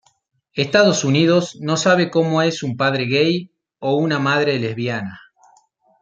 Estados Unidos no sabe cómo es un padre gay o una madre lesbiana.